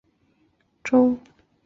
清朝雍正二年升格为直隶州。